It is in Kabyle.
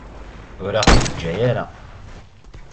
Ur aɣ-t-id-teǧǧa ara.